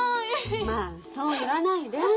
まあそう言わないで。